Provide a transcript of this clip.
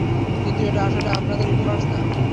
কিন্তু এটা আসলে আপনাদের ইউনিভার্স না।